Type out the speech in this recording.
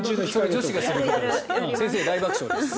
先生、大爆笑です。